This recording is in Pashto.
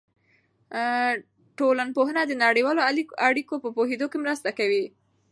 ټولنپوهنه د نړیوالو اړیکو په پوهېدو کې مرسته کوي.